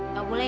gak boleh ya